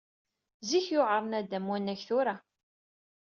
Zik yewɛeṛ naddam wannag tura!